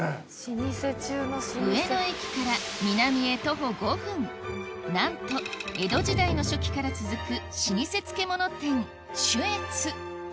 上野駅から南へ徒歩５分なんと江戸時代の初期から続く老舗漬物店酒悦